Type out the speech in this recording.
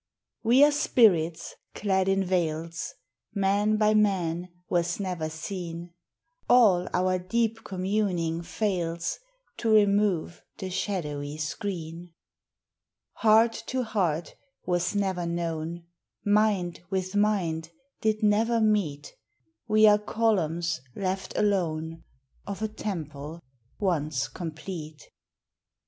323 We are spirits clad in veils ; Man by man was never seen ; All our deep communing fails To remove the shadowy screen, Heart to heart was never known ; Mind with mind did never meet; We are columns left alone Of a temple once complete.